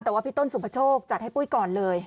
แต่ว่าพี่ต้นสุภโชคจัดให้ปุ้ยก่อนเลย